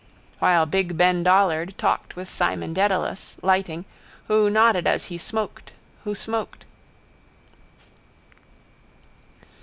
While big Ben Dollard talked with Simon Dedalus, lighting, who nodded as he smoked, who smoked.